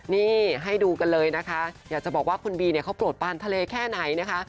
นี่ให้ดูกันเลยนะคะอยากจะบอกว่าคุณบีเนี่ยเขาโปรดปานทะเลแค่ไหนนะคะ